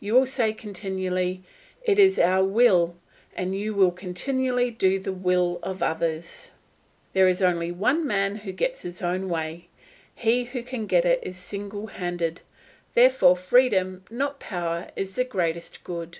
You will say continually, "It is our will," and you will continually do the will of others. There is only one man who gets his own way he who can get it single handed; therefore freedom, not power, is the greatest good.